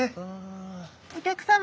お客様。